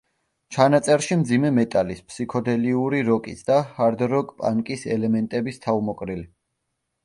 ჩანაწერში მძიმე მეტალის, ფსიქოდელიური როკის და ჰარდკორ-პანკის ელემენტების თავმოყრილი.